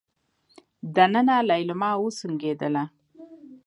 دننه ليلما وسونګېدله.